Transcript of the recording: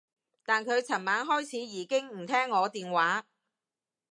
但佢噚晚開始已經唔聽我電話